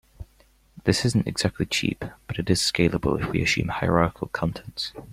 This isn't exactly cheap, but it is scalable if we assume hierarchical contexts.